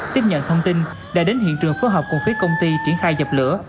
tiếp nhận thông tin đã đến hiện trường phối hợp cùng phía công ty triển khai dập lửa